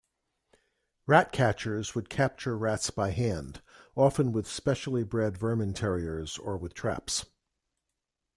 Rat-catchers would capture rats by hand, often with specially-bred vermin terriers, or with traps.